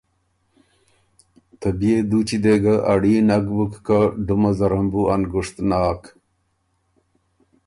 ته بيې دُوچي دې ګۀ اړي نک بُک که ډُمه زرم بُو ا ںګُشت ناک